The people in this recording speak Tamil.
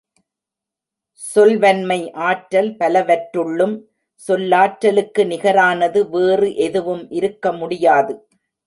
சொல்வன்மை ஆற்றல் பலவற்றுள்ளும் சொல்லாற்றலுக்கு நிகரானது வேறு எதுவும் இருக்க முடியாது.